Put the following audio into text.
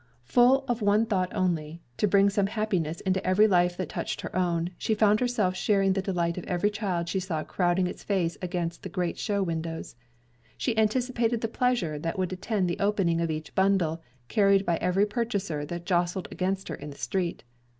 Full of one thought only, to bring some happiness into every life that touched her own, she found herself sharing the delight of every child she saw crowding its face against the great show windows. She anticipated the pleasure that would attend the opening of each bundle carried by every purchaser that jostled against her in the street.